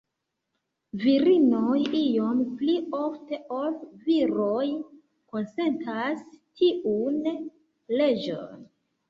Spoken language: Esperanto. Virinoj iom pli ofte ol viroj konsentas tiun leĝon.